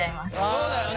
そうだよね。